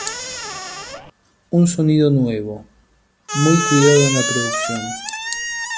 Un sonido nuevo, muy cuidado en la producción.